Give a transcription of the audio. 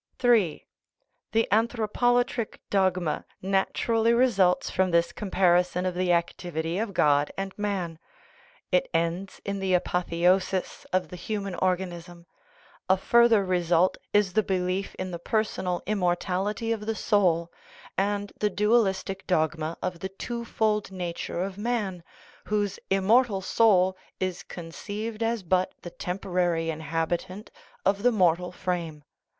III. The anthropolatric dogma naturally results from this comparison of the activity of God and man ; it ends in the apotheosis of the human organism. A further result is the belief in the personal immortality of the soul, and the dualistic dogma of the twofold nature of man, whose "immortal soul" is conceived as but the temporary inhabitant of the mortal frame.